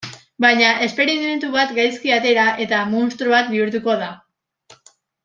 Baina esperimentu bat gaizki atera, eta munstro bat bihurtuko da.